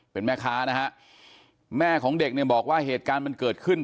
เป็นแม่ค้านะฮะแม่ของเด็กเนี่ยบอกว่าเหตุการณ์มันเกิดขึ้น